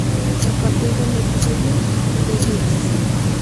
A partir del episodio "D-Yikes!